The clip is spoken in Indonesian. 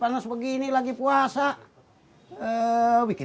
ada apa be